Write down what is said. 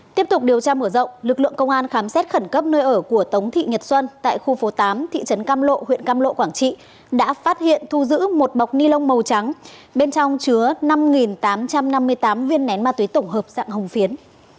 tiếp tục điều tra mở rộng lực lượng công an khám xét khẩn cấp nơi ở của tống thị nhật xuân tại khu phố tám thị trấn cam lộ huyện cam lộ quảng trị đã phát hiện thu giữ một bọc ni lông màu trắng bên trong chứa năm tám trăm năm mươi tám viên nén ma túy tổng hợp dạng hồng phiến